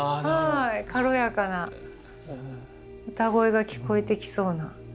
軽やかな歌声が聞こえてきそうな。